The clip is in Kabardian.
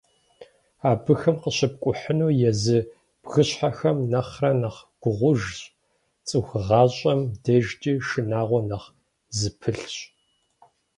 Абыхэм къыщыпкIухьыну езы бгыщхьэхэм нэхърэ нэхъ гугъужщ, цIыху гъащIэм дежкIи шынагъуэ нэхъ зыпылъщ.